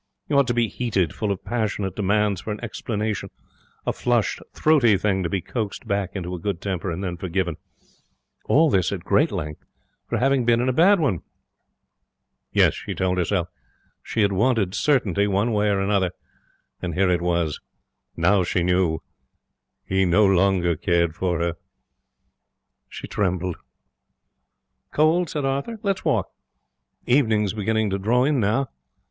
He ought to be heated, full of passionate demands for an explanation a flushed, throaty thing to be coaxed back into a good temper and then forgiven all this at great length for having been in a bad one. Yes, she told herself, she had wanted certainty one way or the other, and here it was. Now she knew. He no longer cared for her. She trembled. 'Cold?' said Arthur. 'Let's walk. Evenings beginning to draw in now.